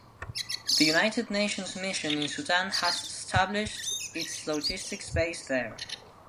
The United Nations Mission in Sudan has established its Logistics Base there.